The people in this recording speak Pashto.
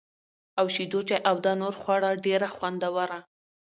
او شېدو چای او دانور خواړه ډېره خوندوره